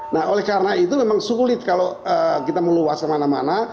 nah oleh karena itu memang sulit kalau kita meluas kemana mana